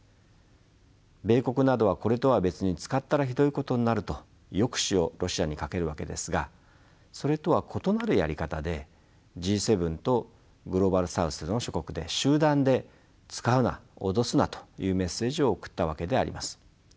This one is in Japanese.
米国などはこれとは別に「使ったらひどいことになる」と抑止をロシアにかけるわけですがそれとは異なるやり方でＧ７とグローバル・サウスの諸国で集団で「使うな脅すな」というメッセージを送ったわけであります。